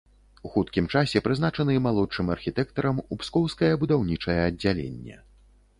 У хуткім часе прызначаны малодшым архітэктарам у пскоўскае будаўнічае аддзяленне.